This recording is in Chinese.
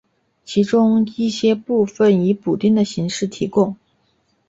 其中一些部分以补丁的形式提供。